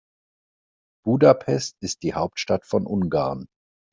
Budapest ist die Hauptstadt von Ungarn.